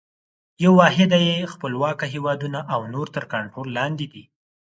یوه واحده یې خپلواکه هیوادونه او نور تر کنټرول لاندي دي.